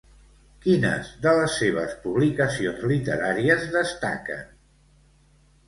Quines de les seves publicacions literàries destaquen?